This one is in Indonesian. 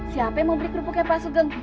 siapa yang mau beli kerupuk ya pak sugong